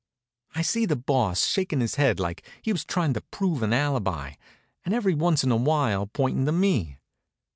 I see the Boss shaking his head like he was tryin' to prove an alibi, and every once in a while pointin' to me.